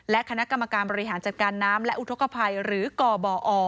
และคณะกรรมการบริหารจัดการน้ำและอุทธกภัยหรือกบอ